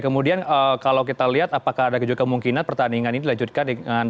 kemudian kalau kita lihat apakah ada juga kemungkinan pertandingan ini dilanjutkan dengan